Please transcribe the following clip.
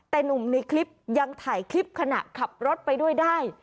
แต่หนุ่มในคลิปยังถ่ายคลิปขณะขับรถไปด้วยได้